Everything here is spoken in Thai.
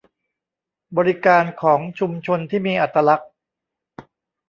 บริการของชุมชนที่มีอัตลักษณ์